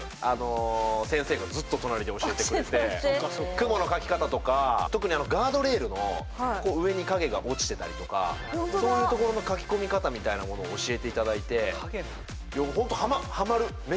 雲の描き方とか特にガードレールのこう上に影が落ちてたりとかそういうところの描き込み方みたいなものを教えて頂いてほんとハマる！